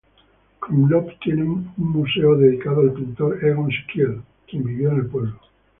Krumlov tiene un museo dedicado al pintor Egon Schiele, quien vivió en el pueblo.